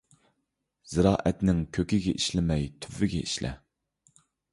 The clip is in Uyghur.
زىرائەتنىڭ كۆكىگە ئىشلىمەي، تۈۋىگە ئىشلە.